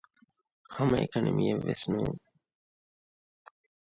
ހަމައެކަނި މިއެއްވެސް ނޫން